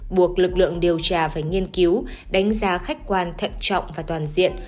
buộc lực lượng điều tra phải nghiên cứu đánh giá khách quan thận trọng và toàn diện